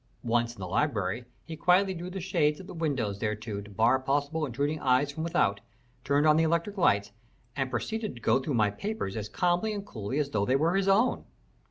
Once in the library, he quietly drew the shades at the windows thereof to bar possible intruding eyes from without, turned on the electric lights, and proceeded to go through my papers as calmly and coolly as though they were his own.